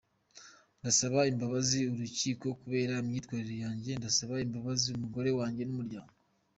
Ndasaba imbabazi urukiko kubera imyitwarire yanjye, ndasaba imbabazi umugore wanjye n’umuryango.